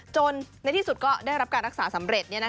ในที่สุดก็ได้รับการรักษาสำเร็จ